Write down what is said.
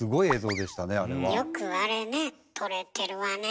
よくあれね撮れてるわね